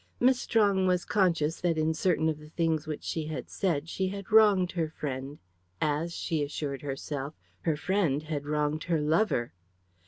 Miss Strong was conscious that in certain of the things which she had said she had wronged her friend, as, she assured herself, her friend had wronged her lover.